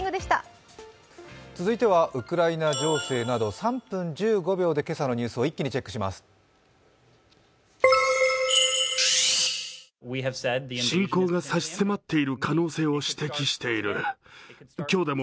続いてはウクライナ情勢など３分１５秒で今朝のニュースを一気にチェックします。